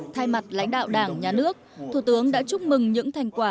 thay mặt lãnh đạo đảng nhà nước thủ tướng đã chúc mừng những thành quả